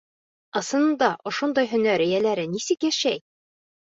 Ысынында ошондай һөнәр эйәләре нисек йәшәй?